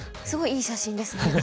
すごいいい写真ですね